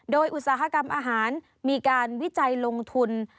โดยอุตสาหกรรมอาหารมีการวิจัยลงทุน